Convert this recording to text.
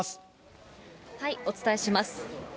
お伝えします。